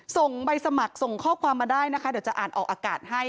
ส่งใบสมัครส่งข้อความมาได้นะคะเดี๋ยวจะอ่านออกอากาศให้